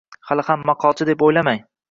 Meni ham maqolchi, deb o`ylamang